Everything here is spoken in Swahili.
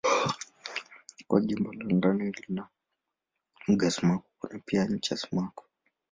Kama gimba la angani lina uga sumaku kuna pia ncha sumaku.